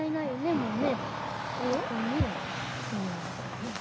もうね。